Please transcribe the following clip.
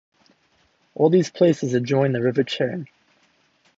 All these places adjoin the River Churn.